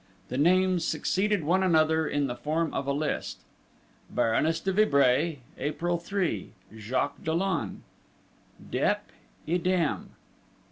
The names succeeded one another in the form of a list. Baroness de Vibray, April 3. Jacques Dollon. _Dep.... idem.